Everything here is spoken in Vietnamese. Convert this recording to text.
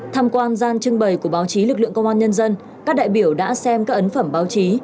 tham quan gian trưng bày của báo chí lực lượng công an nhân dân các đại biểu đã xem các ấn phẩm báo chí